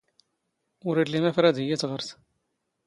ⵓⵔ ⵉⵍⵍⵉ ⵎⴰⴼ ⵔⴰⴷ ⵉⵢⵉ ⵜⵖⵔⴷ.